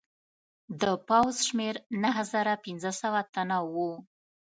د پوځ شمېر نهه زره پنځه سوه تنه وو.